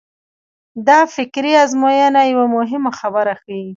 دا فکري ازموینه یوه مهمه خبره ښيي.